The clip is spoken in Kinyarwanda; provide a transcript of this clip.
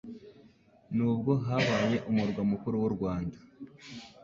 Nubwo habaye umurwa mukuru w'u Rwanda